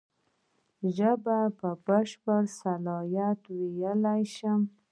زه په بشپړ صلاحیت ویلای شم.